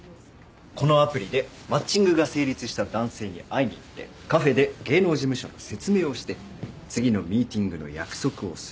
このアプリでマッチングが成立した男性に会いに行ってカフェで芸能事務所の説明をして次のミーティングの約束をする。